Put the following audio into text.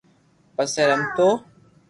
پسي رمتو